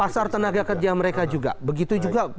pasar tenaga kerja mereka juga